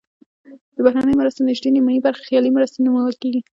د بهرنیو مرستو نزدې نیمایي برخه خیالي مرستې نومول کیږي.